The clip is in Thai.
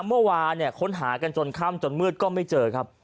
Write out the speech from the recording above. เมื่อวานเนี่ยค้นหากันจนค่ำจนมืดก็ไม่เจอครับ